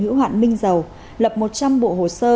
hữu hạn minh dầu lập một trăm linh bộ hồ sơ